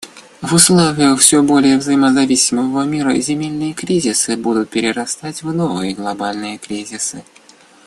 В условиях всё более взаимозависимого мира земельные кризисы будут перерастать в новые глобальные кризисы.